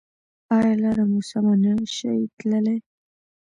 ایا لاره مو سمه نه شئ تللی؟